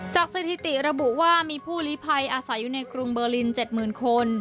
สถิติระบุว่ามีผู้ลิภัยอาศัยอยู่ในกรุงเบอร์ลิน๗๐๐คน